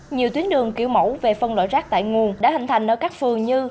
nhiều tuyến đường kiểu mẫu về phân loại rác tại nguồn đã hình thành ở các phường như